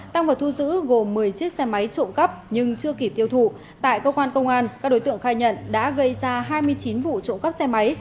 tăng vật thu giữ gồm một mươi chiếc xe máy trộn cấp nhưng chưa kịp tiêu thụ tại công an các đối tượng khai nhận đã gây ra hai mươi chín vụ trộn cấp xe máy